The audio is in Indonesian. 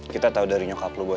kita tahu dari nyokap lo boy